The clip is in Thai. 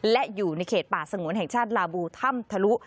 และอยู่ในเขตป่าสงวนแห่งชาติลาบูถ้ำทะลุ